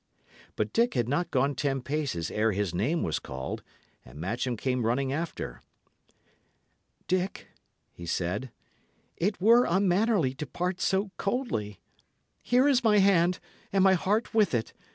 But Dick had not gone ten paces ere his name was called, and Matcham came running after. "Dick," he said, "it were unmannerly to part so coldly. Here is my hand, and my heart with it.